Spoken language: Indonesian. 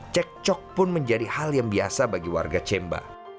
cek cok pun menjadi hal yang biasa bagi warga cemba